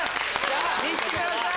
見せてください！